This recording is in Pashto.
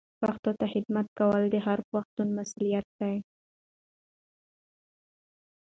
پښتو ته خدمت کول د هر پښتون مسولیت دی.